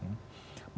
masalah pemerintah itu